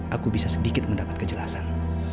aku bisa sedikit mendapat kejelasan